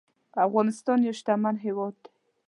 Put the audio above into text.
افغانستان يو شتمن هيواد دي